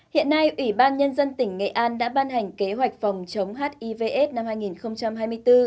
hiện nay ủy ban nhân dân tỉnh nghệ an đã ban hành kế hoạch phòng chống hivs năm hai nghìn hai mươi bốn